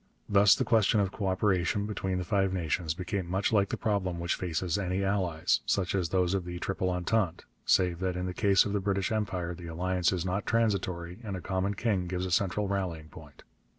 Thus the question of co operation between the Five Nations became much like the problem which faces any allies, such as those of the Triple Entente, save that in the case of the British Empire the alliance is not transitory and a common king gives a central rallying point.